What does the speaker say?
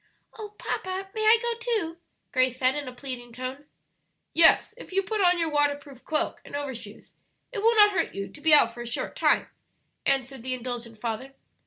"Oh, papa, may I go too?" Grace said, in a pleading tone. "Yes; if you put on your waterproof cloak and overshoes it will not hurt you to be out for a short time," answered the indulgent father.